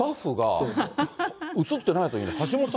今、スタッフが映ってないときに、橋下さん